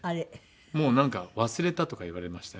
もうなんか忘れたとか言われましたよ